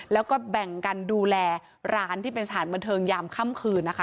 แล้วก็แบ่งกันดูแลร้านที่เป็นสถานบันเทิงยามค่ำคืนนะคะ